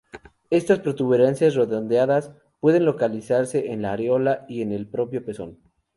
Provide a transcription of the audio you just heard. Estas protuberancias redondeadas pueden localizarse en la areola y en el propio pezón.